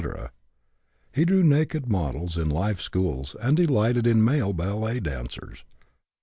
He drew naked models in life schools, and delighted in male ballet dancers.